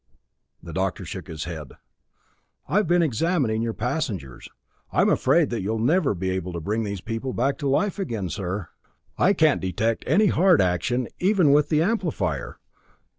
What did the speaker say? The doctor shook his head. "I've been examining your passengers. I'm afraid that you'll never be able to bring these people back to life again, sir. I can't detect any heart action even with the amplifier.